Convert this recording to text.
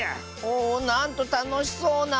おおなんとたのしそうな。